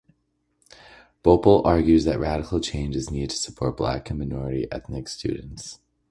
Bhopal argues that radical change is needed to support black and minority ethnic students.